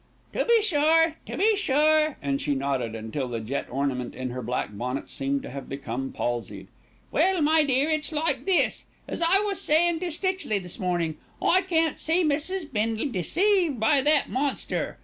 "To be sure, to be sure," and she nodded until the jet ornament in her black bonnet seemed to have become palsied. "Well, my dear, it's like this. As I was sayin' to Stitchley this mornin', 'I can't see poor Mrs. Bindle deceived by that monster.'